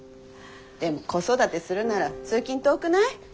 でも子育てするなら通勤遠くない？